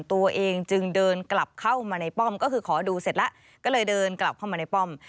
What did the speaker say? ตัวเองจึงเดินกลับเข้ามาในป้อมก็คือขอดูเสร็จแล้วก็เลยเดินกลับเข้ามาในป้อม